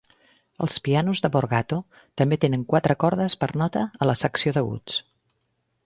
Els pianos de Borgato també tenen quatre cordes per nota a la secció d'aguts.